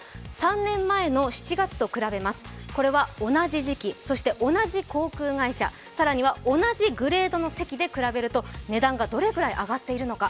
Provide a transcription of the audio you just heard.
３年前の７月と比べますと、これは同じ時期、同じ航空会社、更には同じグレードの席で比べると値段がどれくらい上がっているのか。